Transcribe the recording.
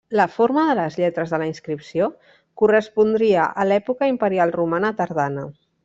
La forma de les lletres de la inscripció correspondria a l'època imperial romana tardana.